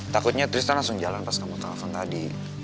takutnya tristan langsung jalan pas kamu telepon tadi